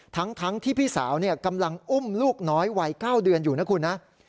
ทั้งที่พี่สาวกำลังอุ้มลูกน้อยวัย๙เดือนอยู่นะคุณนะ